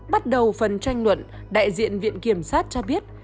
bắt đầu phần tranh luận đại diện viện kiểm sát cho biết